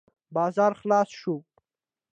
بازار خلاص شو.